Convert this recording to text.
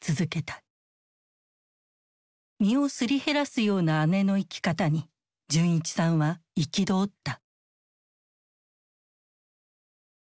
身をすり減らすような姉の生き方に純一さんは憤った。